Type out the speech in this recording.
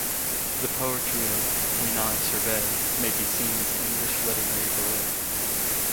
The poetry of "When I survey..." may be seen as English literary baroque.